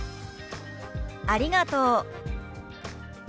「ありがとう」。